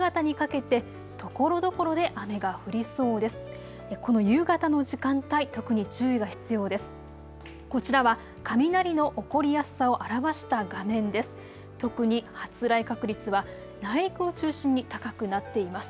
この夕方の時間帯、特に注意が必要です。